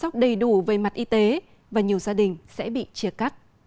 vì đủ về mặt y tế và nhiều gia đình sẽ bị chia cắt